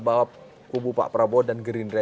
bahwa kubu pak prabowo dan gerindra